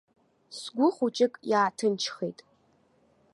Сгәы хәыҷык иааҭынчхеит.